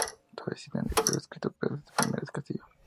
Todavía existen registros escritos de este primer castillo.